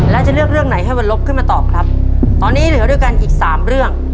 แล้วจะเลือกเรื่องไหนให้วรบขึ้นมาตอบครับตอนนี้เหลือด้วยกันอีกสามเรื่อง